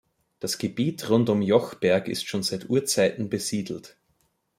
Das Gebiet rund um Jochberg ist schon seit Urzeiten besiedelt.